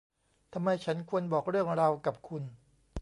ทำไมฉันควรบอกเรื่องราวกับคุณ